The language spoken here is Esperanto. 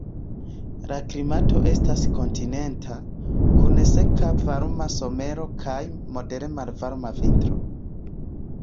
La klimato estas kontinenta, kun seka varma somero kaj modere malvarma vintro.